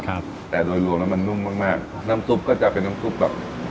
ครับแต่โดยรวมแล้วมันนุ่มมากมากน้ำซุปก็จะเป็นน้ำซุปแบบ